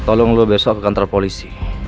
tolong dulu besok ke kantor polisi